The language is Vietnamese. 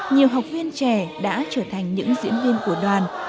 nhiều học viên trẻ đã trở thành những diễn viên của đoàn